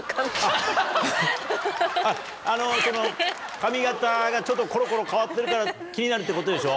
髪形がコロコロ変わってるから気になるってことでしょ？